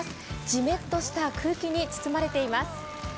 ジメッした空気に包まれています。